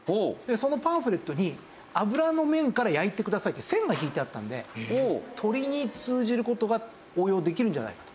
そのパンフレットに「脂の面から焼いてください」って線が引いてあったんで鶏に通じる事が応用できるんじゃないかと。